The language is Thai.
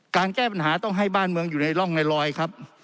แก้ปัญหาต้องให้บ้านเมืองอยู่ในร่องในรอยครับ